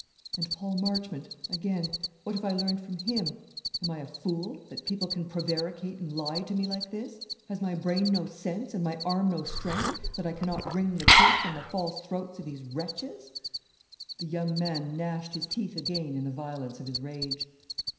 And Paul Marchmont, again, what have I learned from him? Am I a fool, that people can prevaricate and lie to me like this? Has my brain no sense, and my arm no strength, that I cannot wring the truth from the false throats of these wretches?" The young man gnashed his teeth again in the violence of his rage.